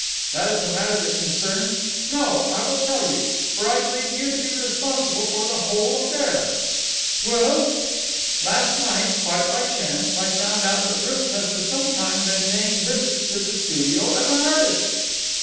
"That is a matter that concerns——No! I will tell you, for I believe you to be responsible for the whole affair." "Well?" "Last night, quite by chance, I found out that Ruth has for some time been paying visits to the studio of an artist."